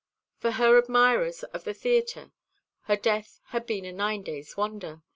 For her admirers of the theatre her death had been a nine days' wonder.